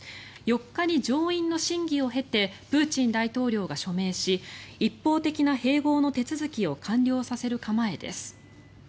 ４日に上院の審議を経てプーチン大統領が署名し一方的な併合の手続きを完了させる構えです。